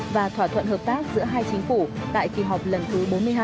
và thỏa thuận hợp tác giữa hai chính phủ tại kỳ họp lần thứ bốn mươi hai